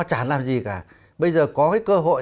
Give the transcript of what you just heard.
chả làm gì cả bây giờ có cái cơ hội